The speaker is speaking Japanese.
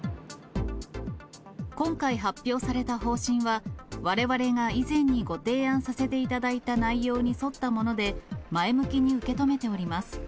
今回発表された方針は、われわれが以前にご提案させていただいた内容に沿ったもので、前向きに受け止めております。